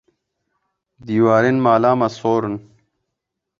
Dîwarên mala me sor in.